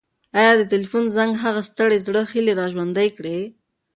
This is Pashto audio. ایا د تلیفون زنګ د هغه د ستړي زړه هیلې راژوندۍ کړې؟